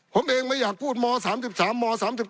ผมเองไม่อยากพูดม๓๓ม๓๔